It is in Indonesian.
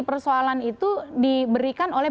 persoalan itu diberikan oleh